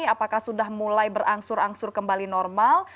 apakah sudah mulai berangsur angsur kembali normal